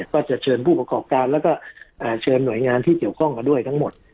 ก็จะเชิญผู้ประกอบการแล้วก็เชิญหน่วยงานที่เกี่ยวข้องมาด้วยทั้งหมด